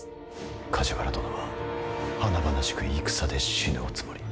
梶原殿は華々しく戦で死ぬおつもり。